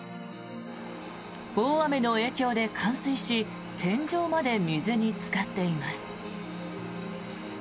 大雨の影響で冠水し天井まで水につかっています。